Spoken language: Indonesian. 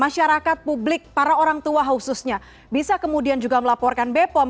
tapi apakah kemungkinan masyarakat publik para orang tua khususnya bisa kemudian juga melaporkan bepom